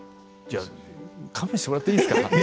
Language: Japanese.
勘弁してもらっていいですか。